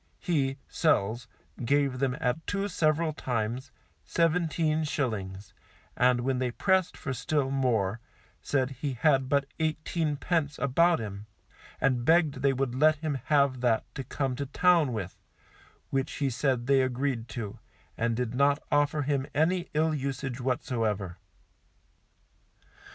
He [Sells] gave them at two several times, seventeen shillings, and when they pressed for still more, said he had but eighteen pence about him, and begged they would let him have that to come to town with, which he said they agreed to, and did not offer him any ill usage whatsoever.